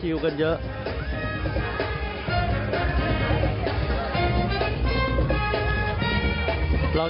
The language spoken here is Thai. เราลองดูนะครับ